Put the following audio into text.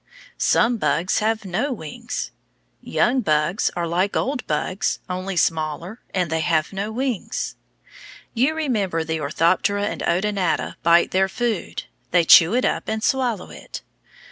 Some bugs have no wings. Young bugs are like old bugs, only smaller, and they have no wings. You remember the Orthoptera and Odonata bite their food. They chew it up and swallow it.